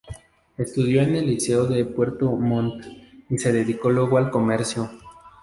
Estudió en el Liceo de Puerto Montt y se dedicó luego al comercio.